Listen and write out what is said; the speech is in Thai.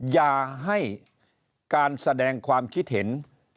อย่าให้การแสดงความคิดเห็น